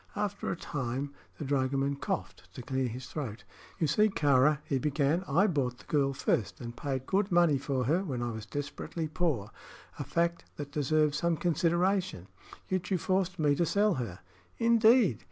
After a time the dragoman coughed to clear his throat. "You see, Kāra," he began, "I bought the girl first, and paid good money for her when I was desperately poor a fact that deserves some consideration; yet you forced me to sell her." "Indeed!"